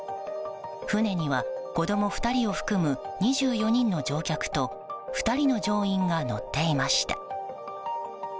船には子供２人を含む２４人の乗客と２人の乗員が乗っていました。